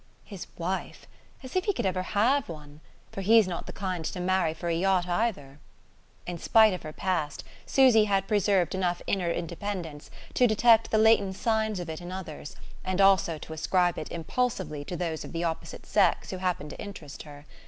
"His wife! As if he could ever have one! For he's not the kind to marry for a yacht either." In spite of her past, Susy had preserved enough inner independence to detect the latent signs of it in others, and also to ascribe it impulsively to those of the opposite sex who happened to interest her.